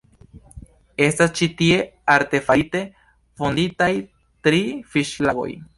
Estas ĉi tie artefarite fonditaj tri fiŝlagoj.